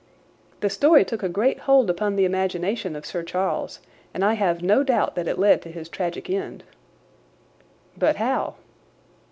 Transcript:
"The story took a great hold upon the imagination of Sir Charles, and I have no doubt that it led to his tragic end." "But how?"